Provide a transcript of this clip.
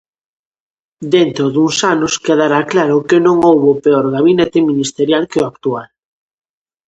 Dentro duns anos quedará claro que non houbo peor gabinete ministerial que o actual.